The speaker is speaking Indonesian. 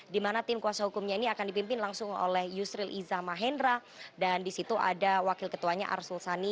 dimana tim kuasa hukumnya ini akan dipimpin langsung oleh yusril iza mahendra dan disitu ada wakil ketuanya arsul sani